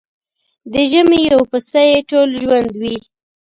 د ژمي يو پسه يې ټول ژوند وي.